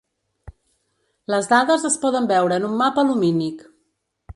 Les dades es poden veure en un mapa lumínic.